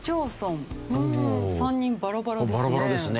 ３人バラバラですね。